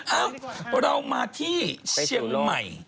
เอ้าเรามาที่เชียงใหม่